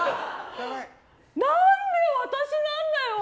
何で私なんだよ！